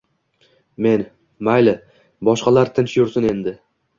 Men — mayli, boshqalar tinch yursin endi